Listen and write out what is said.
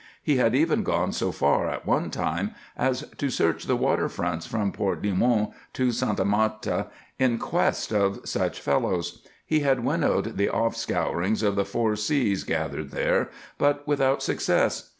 He had even gone so far, at one time, as to search the water fronts from Port Limon to Santa Marta in quest of such fellows; he had winnowed the off scourings of the four seas gathered there, but without success.